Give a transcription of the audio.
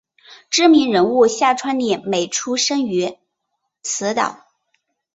知名人物夏川里美出身于此岛。